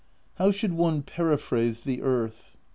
"How should one periphrase the earth?